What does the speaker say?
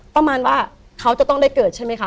ประมาณว่าเขาจะต้องได้เกิดใช่ไหมคะ